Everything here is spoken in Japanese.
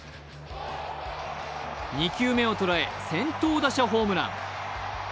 ２球目を捉え先頭打者ホームラン。